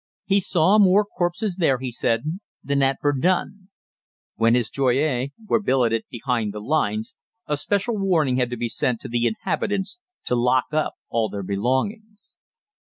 He saw more corpses there, he said, than at Verdun. When his "Joyeux" were billeted behind the lines, a special warning had to be sent to the inhabitants to lock up all their belongings.